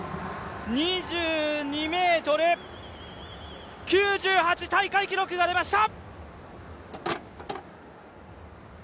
２２ｍ９８、大会記録が出ました。